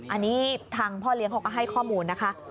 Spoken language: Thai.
อันนี้ทางพ่อเลี้ยงเขาก็ให้ข้อมูลนะคะ